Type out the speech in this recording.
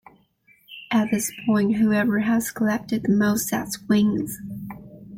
At this point, whoever has collected the most sets wins.